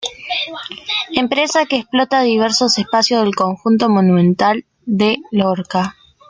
Empresa que explota diversos espacios del conjunto monumental de Lorca.